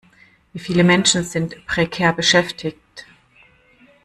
Wie viele Menschen sind prekär beschäftigt?